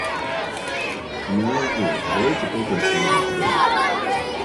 У меня идея - давайте пойдем сегодня куда-нибудь?